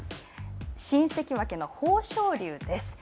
新関脇の豊昇龍です。